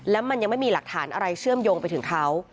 แล้วมันยังไม่มีหลักฐานอะไรเชื่อมโยงไปถึงเขา